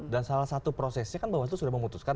dan salah satu prosesnya kan bawah itu sudah memutuskan